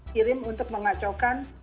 kirim untuk mengacaukan